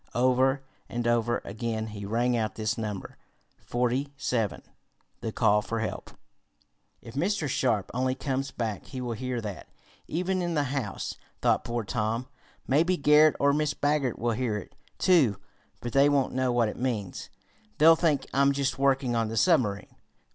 Over and over again he rang out this number forty seven the call for help. "If Mr. Sharp only comes back he will hear that, even in the house," thought poor Tom "Maybe Garret or Mrs. Baggert will hear it, too, but they won't know what it means. They'll think I'm just working on the submarine."